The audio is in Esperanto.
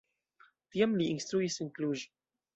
Tiam li instruis en Cluj.